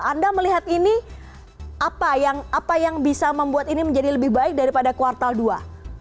anda melihat ini apa yang bisa membuat ini menjadi lebih baik daripada kuartal dua